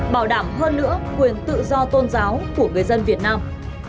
bảo đảm hơn nữa quyền tự do tôn giáo của người dân việt nam